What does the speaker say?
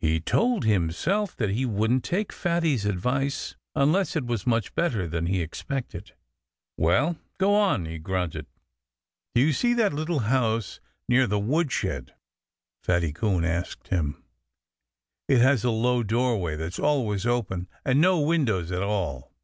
He told himself that he wouldn't take Fatty's advice unless it was much better than he expected. "Well go on!" he grunted. "Do you see that little house near the woodshed?" Fatty Coon asked him. "It has a low doorway that's always open, and no windows at all."